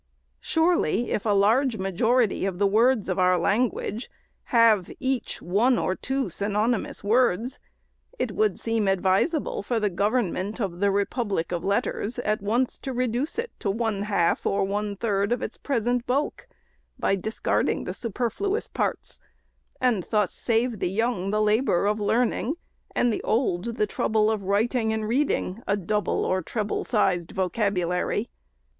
Surely, if a large majority of the words of our language have, each, one or two synonymous words, it would seem advisable for the government of the " Republic of Letters," at once to reduce it to one half or one third of its present bulk, by discarding the superfluous parts, and thus save the young the labor of learning and the old the trouble of writing and reading a double or treble sized vocabulary.